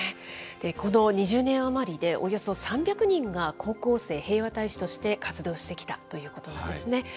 この２０年余りでおよそ３００人が高校生平和大使として活動してきたということなんですね。